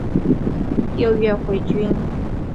六月回军。